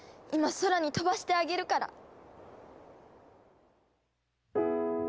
今空に飛ばしてあげるから。